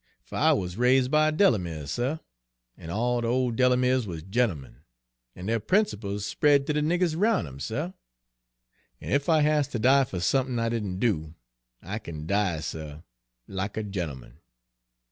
Fer I wuz raise' by a Delamere, suh, an' all de ole Delameres wuz gent'emen, an' deir principles spread ter de niggers 'round 'em, suh; an' ef I has ter die fer somethin' I didn' do, I kin die, suh, like a gent'eman!